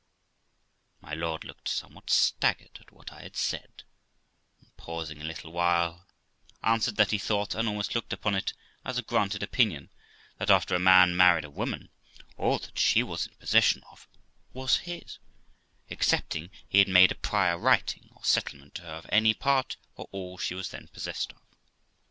My lord looked somewnat staggered at what I had said, and, pausing a little while, answered, that he thought, and also looked upon it as a granted opinion, that after a man married a woman, all that she was in possession of was his, excepting he had made a prior writing or settlement to her of any part or all she was then possessed of.